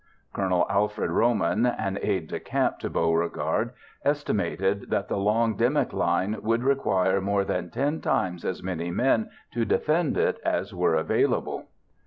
Col. Alfred Roman, an aide de camp to Beauregard, estimated that the long "Dimmock Line" would require more than 10 times as many men to defend it as were available.